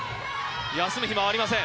休む暇はありません。